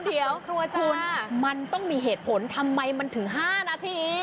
เดี๋ยวครัวคุณมันต้องมีเหตุผลทำไมมันถึง๕นาที